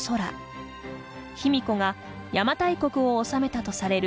卑弥呼が邪馬台国を治めたとされる